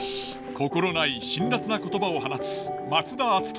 心ない辛辣な言葉を放つ松田篤人。